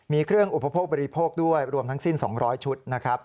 มีเครื่องอุปโภคบริโภคด้วยรวมทั้งสิ้น๒๐๐ชุดนะครับ